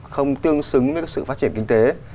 không tương xứng với sự phát triển kinh tế